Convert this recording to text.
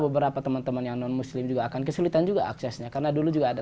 beberapa teman teman yang non muslim juga akan kesulitan juga aksesnya karena dulu juga ada